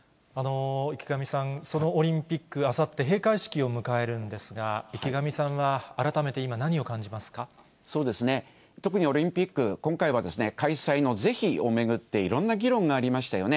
池上さん、そのオリンピック、あさって閉会式を迎えるんですが、池上さんは改めて今、何を感じまそうですね、特にオリンピック、今回は開催の是非を巡って、いろんな議論がありましたよね。